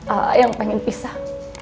ah yang pengen pisah